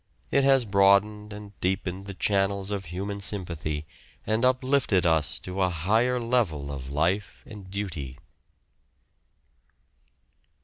It has broadened and deepened the channels of human sympathy and uplifted us to a higher level of life and duty.